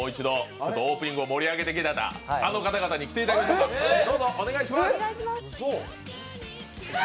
その興奮をもう一度、オープニングを盛り上げてくださったあの方々に来ていただきます。